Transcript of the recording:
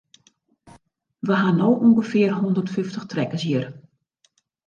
We ha no ûngefear hondert fyftich trekkers hjir.